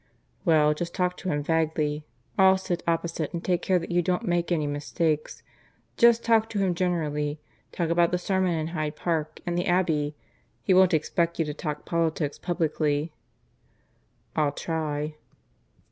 "Well, just talk to him vaguely. I'll sit opposite and take care that you don't make any mistakes. Just talk to him generally. Talk about the sermon in Hyde Park, and the Abbey. He won't expect you to talk politics publicly." "I'll try."